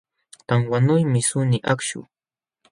Tanwanuymi suni akshu